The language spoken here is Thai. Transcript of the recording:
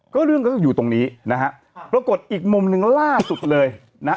ก็เรื่องก็อยู่ตรงนี้นะฮะปรากฏอีกมุมหนึ่งล่าสุดเลยนะฮะ